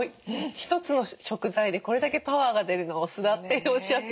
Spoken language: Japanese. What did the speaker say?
一つの食材でこれだけパワーが出るのはお酢だっておっしゃって。